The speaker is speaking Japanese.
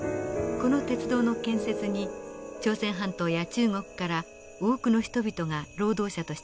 この鉄道の建設に朝鮮半島や中国から多くの人々が労働者として駆り出されました。